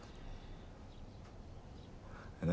何？